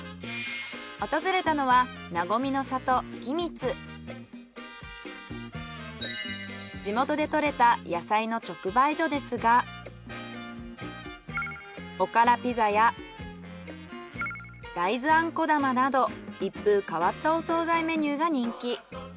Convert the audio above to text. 訪れたのは地元でとれた野菜の直売所ですがおからピザや大豆あんこ玉など一風変わったお惣菜メニューが人気。